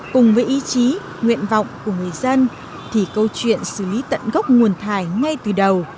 cùng với ý chí nguyện vọng của người dân thì câu chuyện xử lý tận gốc nguồn thải ngay từ đầu